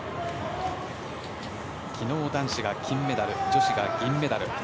昨日、男子が金メダル女子が銀メダル。